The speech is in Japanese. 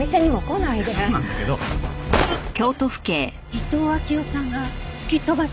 伊東暁代さんが突き飛ばした？